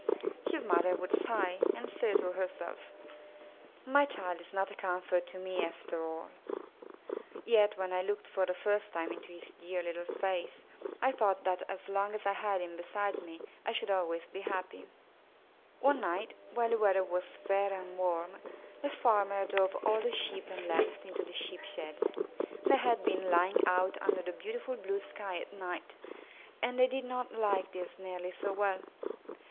His mother would sigh and say to herself, My child is not a comfort to me after all; yet when I looked for the first time into his dear little face, I thought that as long as I had him beside me I should always be happy.*' 259 MY BOOK H O U S E One night, wheil the weather was fair and warm, the farmer drove all the Sheep and Lambs into the Sheep shed. They had been lying out under the beautiful blue sky at night, and they did not like this nearly so well.